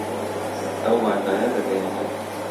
ئەو واتایە دەگەیەنێت